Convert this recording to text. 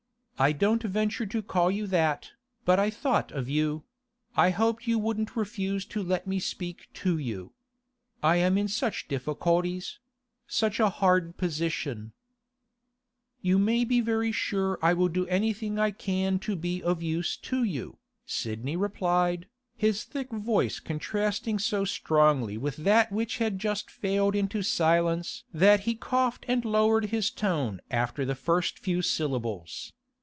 I don't venture to call you that, but I thought of you; I hoped you wouldn't refuse to let me speak to you. I am in such difficulties—such a hard position—' 'You may be very sure I will do anything I can to be of use to you,' Sidney replied, his thick voice contrasting so strongly with that which had just failed into silence that he coughed and lowered his tone after the first few syllables.